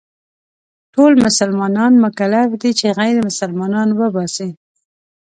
ټول مسلمانان مکلف دي چې غير مسلمانان وباسي.